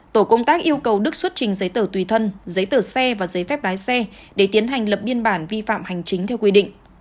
tổ công tác yêu cầu đức xuất trình giấy tờ tùy thân giấy tờ xe và giấy phép lái xe để tiến hành lập biên bản vi phạm hành chính theo quy định